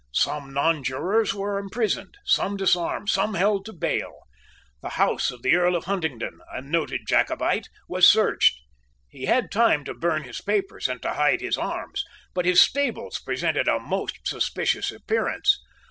Some nonjurors were imprisoned, some disarmed, some held to bail. The house of the Earl of Huntingdon, a noted Jacobite, was searched. He had had time to burn his papers and to hide his arms; but his stables presented a most suspicious appearance.